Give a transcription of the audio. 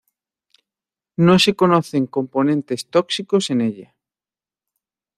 No se conocen componentes tóxicos en ella.